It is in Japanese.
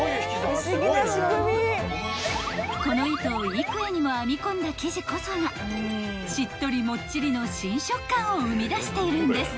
［この糸を幾重にも編み込んだ生地こそがしっとりもっちりの新触感を生み出しているんです］